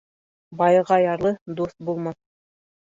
Байға ярлы дуҫ булмаҫ.